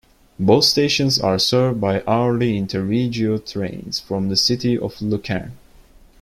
Both stations are served by hourly InterRegio trains from the city of Lucerne.